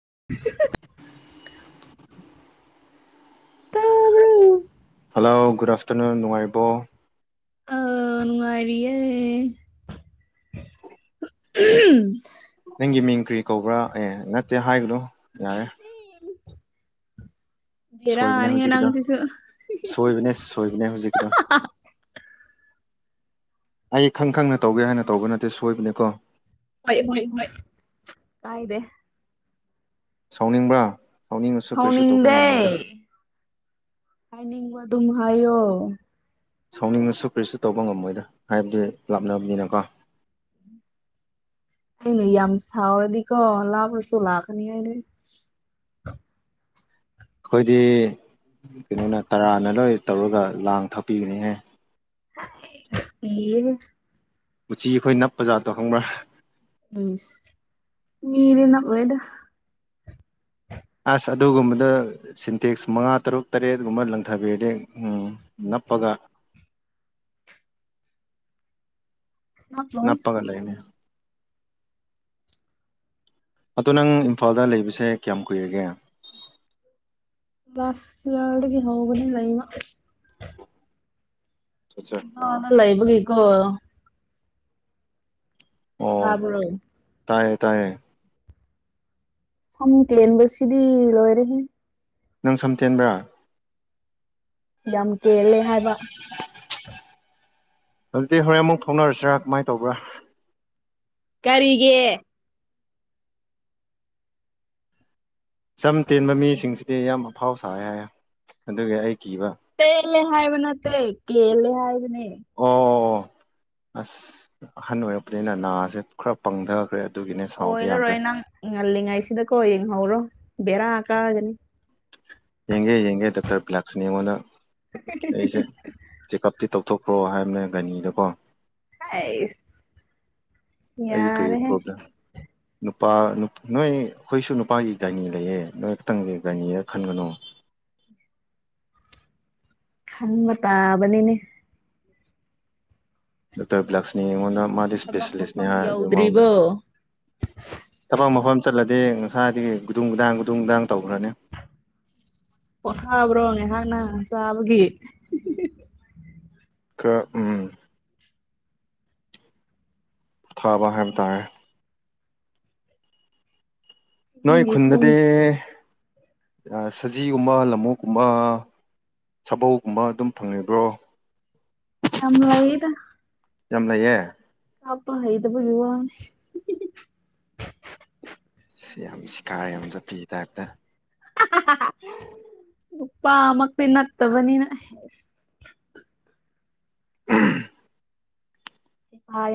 [inaudible] ꯇꯥꯕ꯭ꯔꯣ hello good afternoon ꯅꯨꯡꯉꯥꯏꯔꯤꯕꯣ ꯑ ꯅꯨꯡꯉꯥꯏꯔꯤꯌꯦ ꯎꯝ ꯀ꯭ꯔꯤ ꯀꯧꯕ꯭ꯔꯥ ꯑꯦ ꯅꯠꯇꯦ ꯍꯥꯏꯒꯅꯣ ꯌꯥꯔꯦ ꯁꯣꯏꯕꯅꯦ ꯕꯦꯔꯥꯅꯤꯍꯦ ꯍꯧꯖꯤꯛꯀꯤꯗ ꯅꯪꯁꯤꯁꯨ ꯁꯣꯏꯕꯅꯦ ꯁꯣꯏꯕꯅꯦ ꯍꯧꯖꯤꯛꯗ ꯑꯩ ꯈꯪ ꯈꯪꯅ ꯇꯧꯒꯦ ꯍꯥꯏꯅ ꯇꯧꯕ ꯅꯠꯇꯦ ꯁꯣꯏꯕꯅꯦꯀꯣ ꯍꯣꯏ ꯍꯣꯏ ꯍꯣꯏ ꯀꯥꯏꯗꯦ ꯁꯥꯎꯅꯤꯡꯕ꯭ꯔꯥ ꯁꯥꯎꯅꯤꯡꯉꯁꯨ ꯀꯔꯤꯁꯨ ꯇꯧꯕ ꯁꯥꯎꯅꯤꯡꯗꯦ ꯉꯝꯃꯣꯏꯗ ꯍꯥꯏꯅꯤꯡꯕ ꯑꯗꯨꯝ ꯍꯥꯏꯌꯣ ꯁꯥꯎꯅꯤꯡꯕꯁꯨ ꯀꯔꯤꯁꯨ ꯇꯧꯕ ꯉꯝꯃꯣꯏꯗ ꯍꯥꯏꯕꯗꯤ ꯂꯥꯞꯅꯕꯅꯤꯅꯀꯣ [inaudible] ꯑꯩꯅ ꯌꯥꯝ ꯁꯥꯎꯔꯗꯤꯀꯣ ꯂꯥꯛꯈ꯭ꯔꯁꯨ ꯂꯥꯛꯀꯅꯤ ꯍꯥꯏꯅꯦ ꯑꯩꯈꯣꯏꯗꯤ ꯀꯩꯅꯣꯅ ꯇꯔꯥꯅ ꯂꯣꯏ ꯇꯧꯔꯒ ꯂꯥꯡ ꯊꯥꯛꯄꯤꯒꯅꯤꯍꯦ [unintelligible] [unintelligible] ꯃꯆꯤ ꯑꯩꯈꯣꯏ ꯅꯞ ꯕꯖꯥꯔꯗꯣ ꯍꯪꯕ꯭ꯔꯥ ꯃꯤꯔꯅ ꯑꯣꯏꯦꯗ ꯑꯁ ꯑꯗꯨꯒꯨꯝꯕꯗ ꯁꯤꯟꯇꯦꯛꯁ ꯃꯉꯥ ꯇꯔꯨꯛ ꯇꯔꯦꯠꯒꯨꯝꯕ ꯂꯪꯊꯕꯤꯔꯗ ꯎ ꯆꯄꯒ ꯅꯞꯂꯣꯏ ꯅꯄꯒ ꯂꯩꯅꯦ ꯑꯗꯣ ꯅꯪ ꯏꯝꯐꯥꯜꯗ ꯂꯩꯕꯁꯦ ꯀꯌꯥꯝ ꯀꯨꯏꯔꯒꯦ ꯂꯁ ꯌꯦꯔꯠꯒꯤ ꯍꯒꯅꯤ ꯂꯩꯩꯃ ꯑꯆꯥ ꯑ ꯂꯩꯏꯕꯒꯤꯀꯣ ꯑꯣ ꯍꯥꯥꯕ꯭ꯔꯣ ꯇꯥꯏꯌꯦ ꯇꯥꯏꯌꯦ ꯁꯝ ꯀꯦꯟꯕꯁꯤꯗꯤ ꯂꯣꯏꯔꯦ ꯅꯪ ꯁꯝꯇꯦꯟꯕ꯭ꯔꯥ ꯌꯥꯝ ꯀꯦꯜꯂꯦ ꯍꯥꯏꯕ ꯑꯗꯨꯗꯤ ꯍꯣꯔꯦꯟ ꯑꯃꯨꯛ ꯊꯣꯛꯅꯔꯁꯤꯔꯥ ꯀꯃꯥꯏꯅ ꯇꯧꯕ꯭ꯔꯥ ꯀꯔꯤꯒꯦ ꯆꯝ ꯇꯦꯟꯕ ꯃꯤꯁꯤꯡꯁꯤꯗꯤ ꯌꯥꯝ ꯑꯐꯥꯎ ꯁ ꯍꯥꯏꯌꯦ ꯑꯗꯨꯒꯤ ꯑꯩ ꯀꯤꯕ ꯇꯦꯂꯦ ꯍꯥꯏꯕ ꯅꯠꯇꯦ ꯀꯦꯂꯦ ꯍꯥꯏꯕꯅꯦ ꯑꯣ ꯑꯣ ꯑꯣ ꯑꯁ ꯑꯍꯟ ꯑꯣꯏꯔꯛꯄꯅꯤꯅ ꯅꯥꯁꯦ ꯈꯔ ꯄꯪꯊꯈ꯭ꯔꯦ ꯑꯗꯨꯒꯤꯅꯦ ꯁꯥꯎꯕ ꯑꯣꯏ ꯌꯥꯗ꯭ꯔꯦ ꯂꯧꯔꯣꯏ ꯅꯪ ꯉꯜꯂꯤꯉꯩꯁꯤꯗꯀꯣ ꯌꯦꯡꯍꯧꯔꯣ ꯕꯦꯔꯥ ꯀꯛꯑꯒꯅꯤ ꯌꯦꯡꯒꯦ ꯌꯦꯡꯒꯦ ꯗꯥꯛꯇꯔ ꯭ꯂꯥꯛꯁꯅꯤ ꯌꯦꯡꯉꯣꯟꯅ [inaudible] ꯆꯦꯛꯑꯞꯇꯤ ꯇꯧꯊꯣꯛꯈ꯭ꯔꯣ ꯍꯥꯏꯕꯅꯦ ꯒꯅꯤꯗꯀꯣ ꯑ ꯑꯩ ꯀ ꯄ꯭ꯔꯣ ꯅꯨꯄꯥ ꯅꯣꯏ ꯑꯩꯈꯣꯏꯁꯨ ꯅꯨꯄꯥꯒꯤ ꯒꯥꯏꯅꯤ ꯂꯩꯌꯦ ꯅꯣꯏ ꯈꯤꯛꯇꯪꯒꯤ ꯒꯥꯏꯅꯤꯔ ꯈꯟꯒꯅꯨ [inaudible] [inaudible] ꯈꯃ ꯇꯕꯅꯤꯅꯦ ꯗꯣꯛꯇꯔ ꯕꯤꯂꯛꯁꯃꯤꯉꯣꯟꯅ ꯃꯥꯗꯤ ꯊꯕꯛ ꯏꯁꯄꯦꯁꯤꯂꯤꯁꯅꯤ ꯃꯐꯝ ꯍꯥꯏ ꯑꯗꯨ ꯃꯥꯅ ꯌꯧꯗ꯭ꯔꯤꯕꯣ ꯊꯕꯛ ꯃꯐꯝ ꯆꯠꯂꯗꯤ ꯃꯁꯥꯗꯤ ꯒꯨꯗꯨꯡ ꯒꯨꯗꯥꯡ ꯒꯨꯗꯨꯡ ꯒꯗꯥꯡ ꯇꯧꯈ꯭ꯔꯅꯤ ꯑꯣ ꯍꯥꯥꯕ꯭ꯔꯣꯅꯦꯍꯥꯟꯅ ꯆꯥꯕꯒꯤ ꯀ ꯎꯝ ꯊꯥꯕꯍꯝ ꯇꯥꯏ ꯅꯣꯏ ꯅꯪꯒꯤ ꯈꯨꯟꯗꯗꯤ ꯈꯣꯟꯖꯦ ꯁꯖꯤꯒꯨꯝꯕ ꯂꯃꯨꯀꯨꯝꯕ ꯁꯥꯕꯧꯒꯨꯝꯕ ꯑꯗꯨꯝ ꯐꯪꯉꯕ꯭ꯔꯣ ꯌꯥꯝ ꯂꯩꯍꯤꯗ ꯌꯥꯝ ꯂꯩꯌꯦ ꯑꯄꯗ ꯄꯨ ꯋꯥꯅꯦ ꯁꯤ ꯌꯥꯝ ꯁꯤ ꯀꯥꯔꯦ ꯌꯥꯝꯁꯨꯄꯤꯤ ꯇꯥꯏꯞꯇ [inaudible] ꯅꯨꯄꯥꯃꯛꯇꯤ ꯅꯠꯇꯕꯅꯤꯅ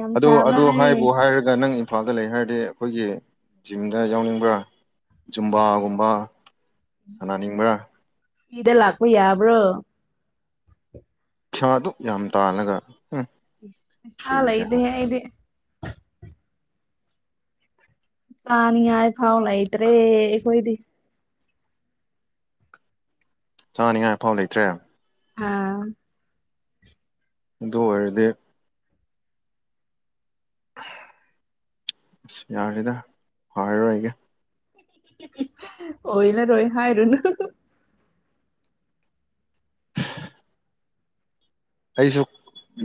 ꯌꯥꯝ ꯑꯗ ꯁꯥꯕ꯭ꯔꯥ ꯑꯗꯨ ꯑꯩ ꯍꯥꯏꯕꯨ ꯍꯥꯏꯔꯒ ꯅꯪ ꯏꯝꯐꯥꯜ ꯑ ꯗ ꯂꯩ ꯍꯥꯏꯔꯗꯤ ꯑꯩꯈꯣꯏꯒꯤ ꯖꯤꯝꯗ ꯌꯥꯎꯅꯤꯡꯕ ꯖꯨꯝꯕꯥꯒꯨꯝꯕ ꯑꯅꯥꯅꯤꯡꯕ꯭ꯔ ꯏꯗ ꯂꯥꯛꯄ ꯌꯥꯕ꯭ꯔꯣ ꯁꯥꯗꯨ ꯌꯥꯝ ꯇꯥꯜꯂꯒ ꯎꯝ ꯁꯁꯂ ꯐ꯭ꯔꯤꯗ ꯏꯗꯦꯦ ꯏꯗꯦ ꯆꯅꯤ ꯌꯥ ꯊꯥꯎ ꯂꯥꯏꯇꯔꯦ ꯈꯣꯏꯗꯤ ꯆꯥꯅꯤꯉꯥꯏ ꯑꯐꯥꯎ ꯂꯩꯇ꯭ꯔꯦ ꯑꯥ ꯑꯗꯨꯗ ꯑꯣꯏꯔꯗꯤ ꯑꯁ ꯌꯥꯔꯦꯗ ꯍꯥꯏꯔꯣꯏ ꯑꯩꯒꯦ ꯑꯣ ꯏꯂ ꯔꯣ ꯍꯥꯏꯔꯅ ꯑꯩꯁꯨ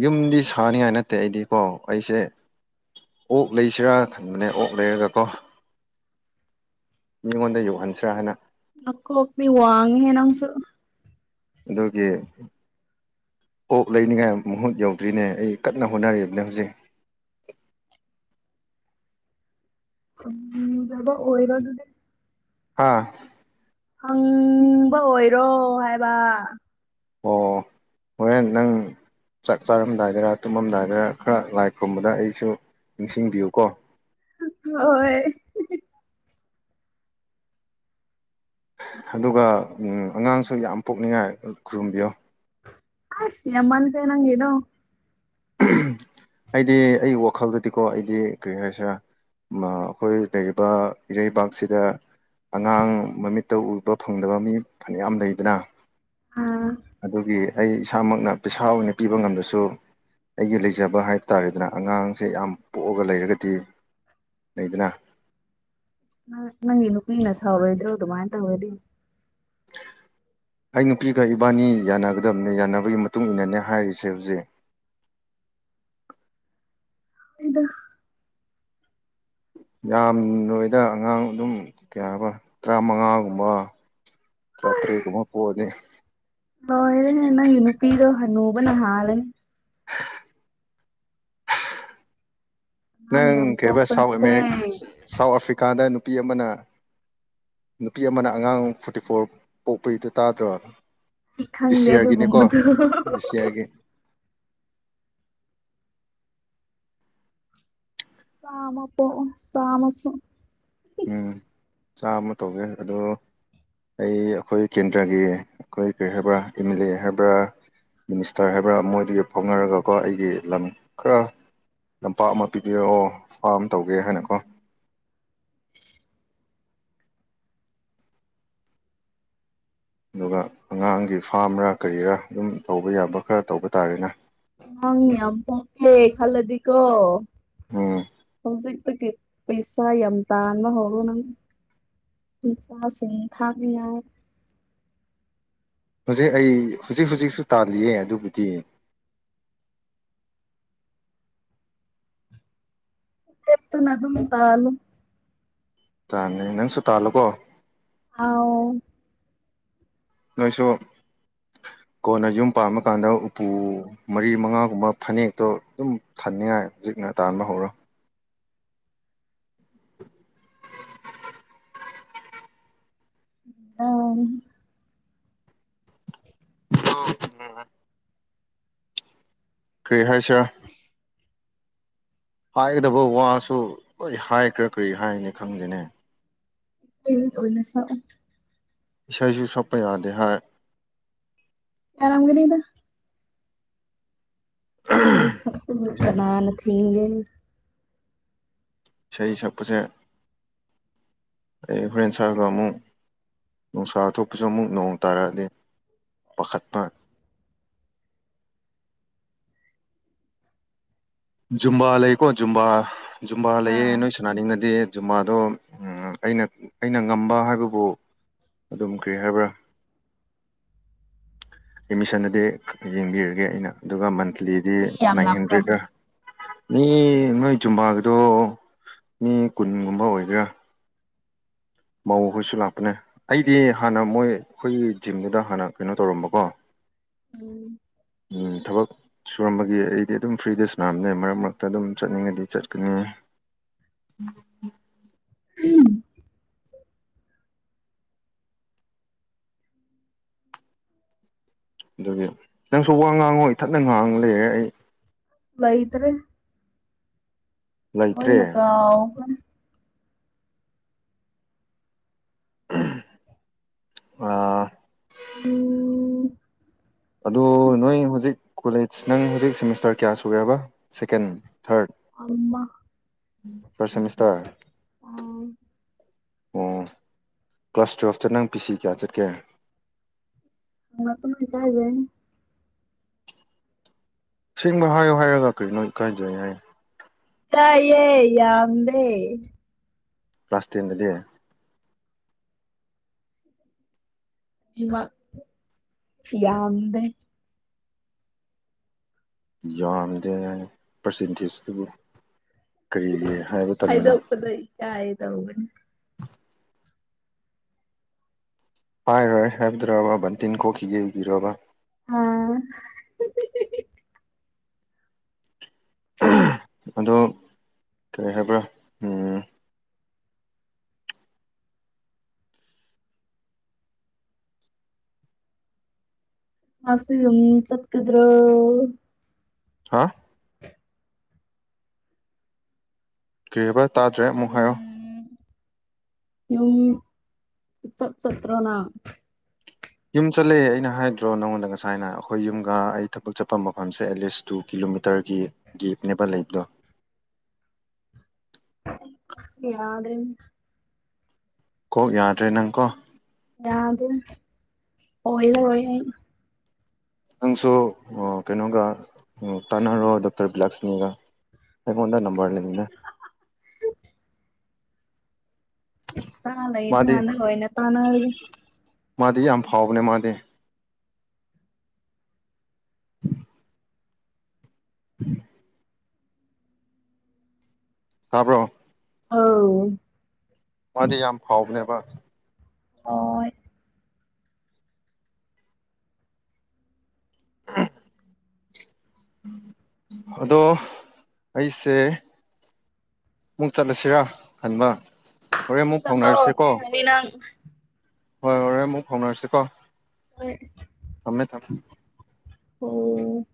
ꯌꯨꯝꯗꯤ ꯁꯥꯅꯤꯡꯉꯥꯏ ꯅꯠꯇꯦ ꯑꯩꯗꯤꯀꯣ ꯑꯩꯁꯦ ꯑꯣꯛ ꯂꯩꯁꯤꯔꯥ ꯈꯟꯕꯅꯦ ꯑꯣꯛ ꯂꯩꯔꯒ ꯀꯣ ꯃꯤꯉꯣꯟꯗ ꯌꯧꯍꯟꯁꯤ꯭ꯔꯥ ꯍꯥꯏꯅ ꯅꯀꯣꯛꯇꯤ ꯋꯥꯉꯦꯍꯦ ꯅꯪꯁꯨ ꯑꯗꯨꯒꯤ ꯑꯣꯞ ꯂꯩꯅꯤꯉꯥꯏ ꯃꯍꯨꯠ ꯌꯧꯗ꯭ꯔꯤꯅꯦ ꯑꯩ ꯀꯟꯅ ꯍꯣꯠꯅꯔꯤꯕꯅꯦ ꯍꯧꯖꯤꯛ [inaudible] ꯎꯝꯕ ꯑꯣꯏꯔꯣ ꯑꯗꯨꯅꯦ ꯍꯥꯥ ꯍꯪꯕ ꯑꯣꯏꯔꯣ ꯍꯥꯏꯕ ꯑꯣ ꯍꯣꯔꯦꯟ ꯅꯪ ꯆꯥꯛ ꯆꯥꯔꯝꯗꯥꯏꯗꯔ ꯇꯨꯝꯃꯝꯗꯥꯏꯗꯔ ꯈꯔ ꯂꯥꯏ ꯈꯨꯨꯝꯕꯗ ꯑꯩꯁꯨ ꯅꯤꯡꯁꯤꯡꯕꯤꯌꯨꯀꯣ ꯍꯣꯏ ꯑꯗꯨꯒ ꯑꯉꯥꯡꯁꯨ ꯌꯥꯝ ꯄꯣꯛꯅꯤꯡꯉꯥꯏ ꯈꯨꯔꯨꯝꯕꯤꯌꯣ ꯑ ꯁꯤ ꯑꯃꯟ ꯀꯥꯏ ꯅꯪꯗꯣ ꯑꯩꯗꯤ ꯑꯩ ꯋꯥꯈꯜꯗꯗꯤꯀꯣ ꯑꯩꯗꯤ ꯀꯔꯤ ꯍꯥꯏꯁꯤꯔꯥ ꯑꯩꯈꯣꯏ ꯂꯩꯔꯤꯕ ꯏꯔꯩꯕꯥꯛꯁꯤꯗ ꯑꯉꯥꯡ ꯃꯃꯤꯠꯇ ꯎꯕ ꯐꯪꯗꯕ ꯃꯤ ꯐꯅꯌꯥꯝ ꯂꯩꯗꯅ ꯅꯪ ꯑꯗꯨꯒꯤ ꯑꯩ ꯏꯁꯥꯃꯛꯅ ꯄꯩꯁꯥ ꯑꯣꯏꯅ ꯄꯤꯕ ꯉꯝꯝꯕꯁꯨ ꯑꯩꯒꯤ ꯂꯩꯖꯕ ꯍꯥꯏꯕ ꯇꯥꯔꯦꯗꯅ ꯑꯉꯥꯡꯁꯦ ꯌꯥꯝ ꯄꯣꯛꯑꯒ ꯂꯩꯔꯒꯗꯤ ꯂꯩꯗꯅ ꯪ ꯅꯪꯒꯤ ꯅꯨꯄꯤꯅ ꯁꯥꯎꯔꯣꯏꯗ꯭ꯔꯣ ꯑꯗꯨꯃꯥꯏꯅ ꯇꯧꯋꯗꯤ [inaudible] ꯑꯩ ꯅꯨꯄꯤꯒ ꯏꯕꯥꯅꯤ ꯌꯥꯅꯒꯗꯕꯅꯦ ꯌꯥꯅꯕꯒꯤ ꯃꯇꯨꯡ ꯏꯟꯅꯅꯦ ꯍꯥꯏꯔꯤꯁꯦ ꯍꯧꯖꯤꯛ [inaudible] ꯏꯗ ꯌꯥꯝꯗꯣꯏꯗ ꯑꯉꯥꯡ ꯑꯗꯨꯝ ꯀꯩ ꯍꯥꯏꯔꯕ ꯇꯔꯥꯃꯉꯥꯒꯨꯝꯕ ꯆꯇꯔꯦ ꯀꯨꯝꯕ ꯄꯣꯛꯑꯗꯤ ꯍꯣꯏ ꯅꯪꯒꯤ ꯅꯨꯄꯤꯗ ꯍꯅꯨꯕ ꯅꯍꯥꯂꯅꯤ ꯑꯉꯥꯡ ꯅꯪ ꯌꯥꯝ ꯀꯩꯕ ꯄꯣꯛꯄꯁꯦ ꯁꯥꯎꯠꯔꯤ ꯑꯩ ꯁꯥꯎꯠ ꯑꯐ꯭ꯔꯤꯀꯥꯗ ꯅꯨꯄꯤ ꯑꯃꯅ ꯅꯨꯄꯤ ꯑꯃꯅ ꯑꯉꯥꯡ ꯐꯣꯔꯇꯤ ꯐꯣꯔ ꯄꯣꯛꯄꯩꯗ ꯇꯥꯗ꯭ꯔꯣ ꯗꯤ ꯈꯪꯗꯦ ꯁꯤꯌꯥꯔꯒꯤꯅꯤꯀꯣ ꯑꯗꯨꯒꯨꯝꯕꯗꯣ ꯗꯤ ꯁꯤꯌꯥꯔꯒꯤ ꯆꯥꯃꯄꯣ ꯆꯥꯃꯁ ꯎꯝ ꯆꯥꯃ ꯇꯧꯒꯦ ꯑꯗꯨ ꯑꯩ ꯑꯩꯈꯣꯏ ꯀꯦꯟꯗ꯭ꯔꯒꯤ ꯑꯩꯈꯣꯏ ꯀꯔꯤ ꯍꯥꯏꯕ꯭ꯔꯥ ꯑꯦꯝ ꯑꯦꯜ ꯑꯦ ꯍꯥꯏꯕ꯭ꯔꯥ ꯃꯤꯅꯤꯁꯇꯔ ꯍꯥꯏꯕ꯭ꯔꯥ ꯃꯣꯏꯗꯨꯗꯒꯤ ꯐꯥꯎꯅꯔꯒꯀꯣ ꯑꯩꯒꯤ ꯂꯝ ꯈꯔ ꯂꯝꯄꯥꯛ ꯑꯃ ꯄꯤꯕꯤꯔꯛꯑꯣ ꯐꯥꯝ ꯇꯧꯒꯦ ꯍꯥꯏꯅꯀꯣ ꯑꯗꯨꯒ ꯑꯉꯥꯡꯒꯤ ꯐꯥꯝꯔꯥ ꯀꯔꯤꯔꯥ ꯑꯗꯨꯝ ꯇꯧꯕ ꯌꯥꯕ ꯈꯔ ꯇꯧꯕ ꯇꯥꯔꯦꯅꯦ ꯍꯡ ꯌꯝ ꯐꯦ ꯈꯜꯂꯗꯤꯀꯣ ꯎꯝ ꯍꯧꯁꯛꯇ ꯄꯁꯥ ꯌꯦꯇ ꯑꯅ ꯍꯒꯎ ꯅꯪ ꯄꯁꯥꯁ ꯊꯥꯕꯤ ꯌꯥ ꯍꯧꯖꯤꯛ ꯑꯩ ꯍꯧꯖꯤꯛ ꯍꯖꯤꯛꯁꯨ ꯇꯥꯜꯂꯤꯌꯦ ꯑꯗꯨꯕꯨꯗꯤ ꯞꯦꯛꯇꯅ ꯑꯗꯨꯝ ꯇꯥꯂꯨ ꯇꯥꯅꯤ ꯅꯪꯁꯨ ꯇꯥꯜꯂꯣꯀꯣ ꯑꯥꯎ ꯅꯣꯏꯁꯨ ꯀꯣꯟꯅ ꯌꯨꯝ ꯄꯥ ꯀꯥꯟꯗ ꯎꯄꯨ ꯃꯔꯤ ꯃꯉꯥꯒꯨꯝꯕ ꯐꯅꯦꯛꯇꯣ ꯑꯗꯨꯝ ꯊꯅꯤꯡꯉꯥꯏ ꯍꯧꯖꯤꯛ ꯇꯥꯟꯕ ꯍꯧꯔꯣ ꯑ ꯑꯣ ꯔꯤꯍꯔꯁꯦꯜ ꯍꯥꯏꯒꯗꯕ ꯋꯥꯁꯨ ꯑꯩꯣꯏ ꯍꯥꯏꯈ꯭ꯔꯥ ꯀꯔꯤ ꯍꯥꯏꯅꯤ ꯈꯪꯗꯦꯅꯦ ꯑꯣꯏꯅ ꯁꯛꯑꯣ ꯏꯁꯩꯁꯨ ꯁꯛꯄ ꯌꯥꯗꯦ ꯍꯥꯏ ꯑꯔꯝꯒꯗꯤꯅ ꯏꯁꯩ ꯑꯩꯁꯇꯅꯥ ꯅ ꯊꯅꯤꯡꯒꯦ ꯏꯁꯩ ꯁꯛꯄꯁꯦ ꯑꯩ ꯐ꯭ꯔꯦꯟꯦꯟ ꯁꯒ ꯑꯃꯨ ꯅꯨꯡꯁꯥ ꯊꯣꯛꯄꯁꯨ ꯑꯃꯨꯛ ꯅꯣꯡ ꯇꯥꯔꯛꯑꯗꯤ ꯄꯥꯈꯠꯄ ꯖꯨꯝꯕꯥ ꯂꯩꯀꯣ ꯖꯨꯝꯕꯥ ꯖꯨꯝꯕꯥ ꯂꯩꯌꯦ ꯑꯥ ꯅꯣꯏ ꯁꯨꯅꯥꯅꯤꯡꯉꯗꯤ ꯖꯨꯃꯥꯗꯣ ꯑꯩꯅ ꯑꯩꯅ ꯉꯝꯕ ꯍꯥꯏꯕꯕꯨ ꯑꯗꯨꯝꯈ꯭ꯔꯦ ꯍꯥꯏꯕ꯭ꯔꯥ ꯑꯦꯠꯃꯤꯁꯟꯗꯗꯤ ꯌꯦꯡꯕꯤꯔꯒꯦ ꯑꯩꯅ ꯑꯗꯨꯒ ꯃꯟꯠꯂꯤꯗꯤ ꯃꯤ ꯌꯥꯝ ꯅꯥꯏꯟ ꯂꯥꯛꯄ꯭ꯔꯥ ꯍꯟꯗ꯭ꯔꯦꯗ ꯃꯤ ꯅꯣꯏ ꯆꯨꯝꯕꯥꯥꯒꯤꯗꯣ ꯃꯤ ꯀꯨꯟꯒꯨꯝꯕ ꯑꯣꯏꯒꯦꯔꯥ ꯃꯧꯈꯣꯏꯁꯨ ꯂꯥꯛꯄꯅꯦ ꯑꯩꯗꯤ ꯍꯥꯟꯅ ꯃꯣꯏ ꯑꯩꯈꯣꯏꯒꯤ ꯖꯤꯝꯗꯨꯗ ꯍꯥꯟꯅ ꯀꯩꯅꯣ ꯇꯧꯔꯝꯕꯀꯣ ꯎꯝ ꯊꯕꯛ ꯁꯨꯔꯝꯕꯒꯤ ꯑꯩꯗꯤ ꯑꯗꯨꯝ ꯐ꯭ꯔꯤꯗ ꯁꯅꯥꯝꯅꯦ ꯃꯔꯛ ꯃꯔꯛꯇ ꯑꯗꯨꯝ ꯆꯠꯅꯤꯡꯉꯗꯤ ꯆꯠꯀꯅꯤ ꯎꯝ ꯎꯝ ꯑꯗꯨꯒꯤ ꯅꯪꯁꯨ ꯋꯥ ꯉꯥꯡꯉꯣꯏ ꯏ ꯊꯠꯅ ꯉꯥꯡ ꯂꯩꯔꯦ ꯑꯩ ꯂꯩꯇ꯭ꯔꯦ ꯂꯩꯇ꯭ꯔꯦ ꯍꯣꯏꯅꯀꯥꯎ ꯑꯥ ꯎꯝ ꯑꯗ ꯑꯁ ꯅꯣꯏ ꯍꯧꯖꯤꯛ ꯀꯣꯂꯦꯖ ꯅꯪ ꯍꯧꯖꯤꯛ ꯁꯦꯃꯤꯁꯇꯔ ꯀꯌꯥ ꯁꯨꯈ꯭ꯔꯦꯕ ꯁꯦꯀꯦꯟ ꯊꯥꯔꯠ ꯑꯝꯕ ꯐꯔꯁ ꯏꯁꯇꯔ ꯑꯥ ꯑꯣ ꯀ꯭ꯂꯥꯁ ꯇꯨꯌꯦꯜꯐꯇ ꯅꯪ ꯄꯤ ꯁꯤ ꯀꯌꯥ ꯆꯠꯀꯦ ꯑꯄ ꯇꯒꯦ [inaudible] ꯁꯦꯡꯕ ꯍꯥꯏꯌꯣ ꯍꯥꯏꯔꯒ ꯀꯔꯤꯅꯣ ꯀꯥꯏꯖꯩ ꯍꯥꯏ ꯇꯌꯦ ꯌꯥꯝꯗꯦ ꯀ꯭ꯂꯥꯁ ꯇꯦꯟꯗꯗꯤ ꯃ ꯌꯥꯝꯗꯦ ꯌꯥꯝꯗꯦ ꯄ꯭ꯔꯁꯤꯟꯊꯤꯁꯇꯕꯨ ꯀꯔꯤꯒꯤ ꯍꯥꯏꯕ ꯇꯟꯕꯅꯣ ꯕ [inaudible] ꯍꯥꯏꯔꯣꯏ ꯍꯥꯏꯕꯗ꯭ꯔꯕ ꯕꯟꯇꯤꯟ ꯀꯣꯛꯈꯤꯒꯦ ꯏꯕꯤꯔꯕ ꯑꯥ ꯑꯗꯣ ꯀꯔꯤ ꯍꯥꯏꯕ꯭ꯔꯥ ꯃꯥꯁꯤ ꯌ ꯆꯠ ꯀꯗ꯭ꯔꯣ ꯍꯥ ꯀꯔꯤ ꯍꯥꯏꯕ ꯇꯥꯗ꯭ꯔꯦ ꯑꯃꯨꯛ ꯍꯥꯏꯌꯣ ꯑ ꯁꯇ꯭ꯔꯣꯅ ꯌꯨꯝ ꯆꯠꯂꯑꯦ ꯑꯩꯅ ꯍꯥꯏꯗ꯭ꯔꯣ ꯅꯪꯉꯣꯟꯗ ꯉꯁꯥꯏꯅ ꯑꯩꯈꯣꯏ ꯌꯨꯝꯒ ꯑꯩ ꯊꯕꯛ ꯆꯠꯄ ꯃꯐꯝꯁꯦ ꯑꯦꯠꯂꯤꯁ ꯇꯨ ꯀꯤꯂꯣꯃꯤꯇꯔꯒꯤ ꯒꯦꯞꯅꯦꯕ ꯂꯩꯕꯗꯣ ꯁꯤ ꯌꯥꯔꯦ [inaudible] ꯀꯣꯛ ꯌꯥꯗ꯭ꯔꯦ ꯅꯪ ꯀꯣ ꯌꯥꯗ ꯍꯂ [inaudible] ꯔꯏ ꯅꯪꯁꯨ ꯀꯩꯅꯣꯒ ꯇꯥꯟꯅꯔꯣ ꯗꯣꯛꯇꯔ ꯕꯤꯂꯛꯁꯅꯤꯒ ꯑꯩꯉꯣꯟꯗ ꯅꯝꯕꯔ ꯂꯩꯅꯦ ꯆ ꯂꯩꯅ ꯃꯥꯗꯤ ꯉꯅ ꯑꯣꯏꯅ ꯇꯅꯒ ꯃꯥꯗꯤ ꯌꯥꯝ ꯐꯥꯎꯕꯅꯦ ꯃꯥꯗꯤ ꯎꯝ ꯎꯝ [inaudible] ꯇꯥꯕ꯭ꯔꯣ ꯑꯥꯎ ꯃꯥꯗꯤ ꯌꯥꯝ ꯐꯥꯎꯕꯅꯦꯕ ꯑꯣ ꯑꯗꯣ ꯑꯩꯁꯦ ꯑꯃꯨꯛ ꯆꯠꯂꯁꯤꯔꯥ ꯍꯟꯕ ꯍꯣꯔꯦꯟ ꯃꯨꯛ ꯆꯠꯂꯣ ꯐꯥꯎꯅꯔꯁꯤꯀꯣ ꯊꯦꯡꯉꯅꯤ ꯅꯪ ꯍꯣꯏ ꯍꯣꯔꯦꯟ ꯑꯃꯨꯛ ꯐꯥꯎꯅꯔꯁꯤꯀꯣ ꯍ [unintelligible] ꯁꯃꯦ ꯊ ꯑꯣ